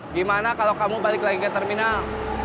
gimana kalau kamu balik lagi ke terminal